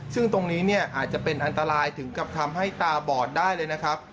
ซึ่งตรงนี้เนี่ยอาจจะเป็นอันตรายถึงกับทำให้ตาบอดได้เลยนะครับ